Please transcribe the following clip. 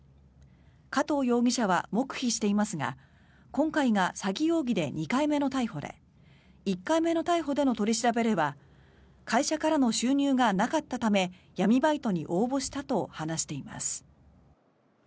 加藤容疑者は黙秘していますが今回が詐欺容疑で２回目の逮捕で１回目の逮捕での取り調べでは会社からの収入がなかったため闇バイトに応募したと話しています。